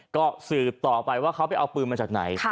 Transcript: ก็สืบต่อไปว่าเขาไปเอาปืนมาจากไหน